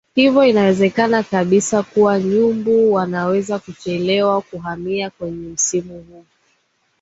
hivyo inawezekana kabisa kuwa Nyumbu wanaweza kuchelewa kuhamia Kenya msimu huu